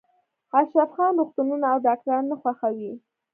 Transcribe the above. اشرف خان روغتونونه او ډاکټران نه خوښوي